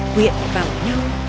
quyện vào nhau